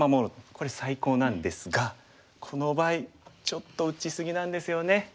これ最高なんですがこの場合ちょっと打ち過ぎなんですよね。